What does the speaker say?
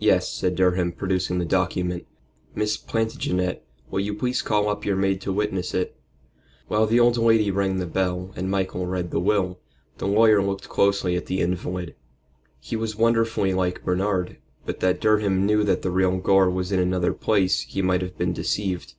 "Yes," said Durham, producing the document. "Miss Plantagenet, will you please call up your maid to witness it?" While the old lady rang the bell and Michael read the will, the lawyer looked closely at the invalid. He was wonderfully like Bernard, and but that Durham knew that the real Gore was in another place he might have been deceived.